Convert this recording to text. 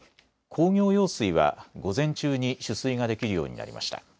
工業用水は午前中に取水ができるようになりました。